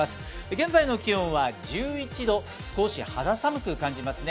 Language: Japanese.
現在の気温は１１度、少し肌寒く感じますね。